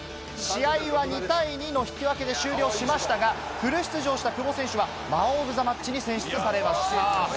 試合は２対２の引き分けで終了しましたが、フル出場した久保選手はマン・オブ・ザ・マッチに選出されました。